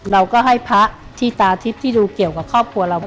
เราก็ให้พระที่ตาทิพย์ที่ดูเกี่ยวกับครอบครัวเรา